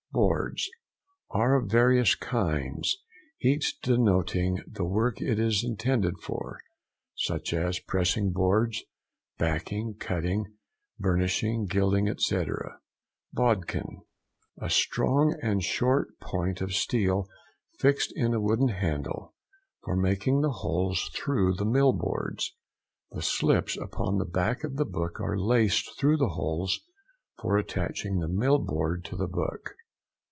BOARDS.—Are of various kinds, each denoting the work it is intended for, such as pressing boards, backing, cutting, burnishing, gilding, etc. BODKIN.—A strong and short point of steel fixed in a wooden handle, for making the holes through the mill boards. The slips upon the back of the book are laced through the holes for attaching the mill board to the book.